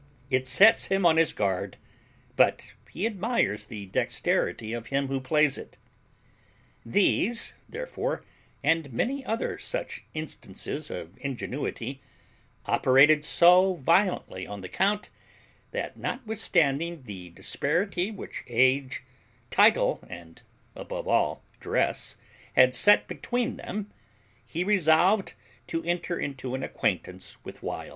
It sets him on his guard, but he admires the dexterity of him who plays it. These, therefore, and many other such instances of ingenuity, operated so violently on the count, that, notwithstanding the disparity which age, title, and above all, dress, had set between them, he resolved to enter into an acquaintance with Wild.